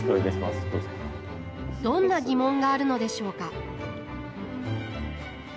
どんな疑問があるのでしょうか